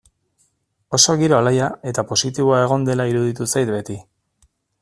Oso giro alaia eta positiboa egon dela iruditu zait beti.